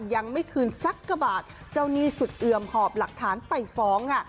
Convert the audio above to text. ยังไม่คืนสักกว่าบาทเจ้าหนี้สุดเอือมหอบหลักฐานไปฟ้องค่ะ